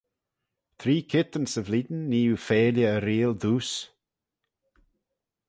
Three keayrtyn 'sy vlein nee oo feailley y reayll dooys.